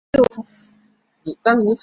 春日部市也是同时包含的自治体。